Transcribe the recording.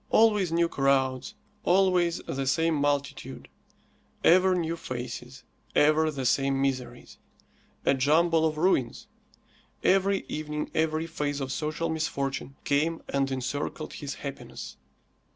Always new crowds, always the same multitude, ever new faces, ever the same miseries. A jumble of ruins. Every evening every phase of social misfortune came and encircled his happiness.